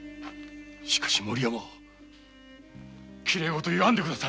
しかし森山きれい事言わんで下さい。